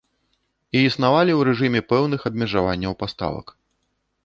І існавалі ў рэжыме пэўных абмежаванняў паставак.